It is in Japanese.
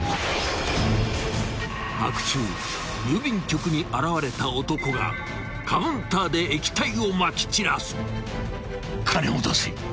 ［白昼郵便局に現れた男がカウンターで液体をまき散らす］